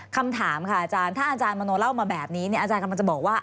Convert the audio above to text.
คำถามค่ะอาจารย์ถ้าอาจารย์มโนเล่ามาแบบนี้อาจารย์กำลังจะบอกว่า